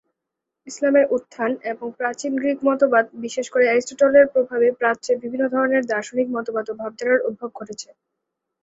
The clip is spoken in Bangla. ইসলামের উত্থান এবং প্রাচীন গ্রিক মতবাদ, বিশেষ করে অ্যারিস্টটলের প্রভাবে প্রাচ্যে বিভিন্ন ধরনের দার্শনিক মতবাদ ও ভাবধারার উদ্ভব ঘটেছে।